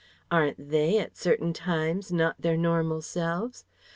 Aren't they at certain times not their normal selves?